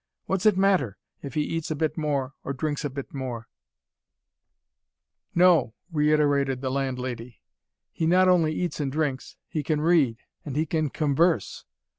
What's it matter, if he eats a bit more or drinks a bit more " "No," reiterated the landlady. "He not only eats and drinks. He can read, and he can converse."